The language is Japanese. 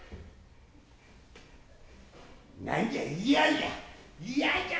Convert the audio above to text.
何じゃいやじゃ。